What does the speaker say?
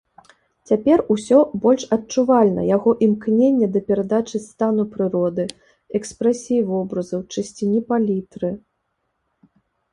Цяпер усё больш адчувальна яго імкненне да перадачы стану прыроды, экспрэсіі вобразаў, чысціні палітры.